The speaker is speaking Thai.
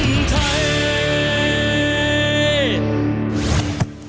เพื่อคนไทย